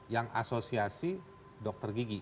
yang asosiasi dokter gigi